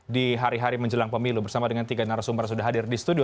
di hari hari menjelang pemilu bersama dengan tiga narasumber sudah hadir di studio